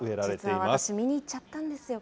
実は私、見に行っちゃったんですよ。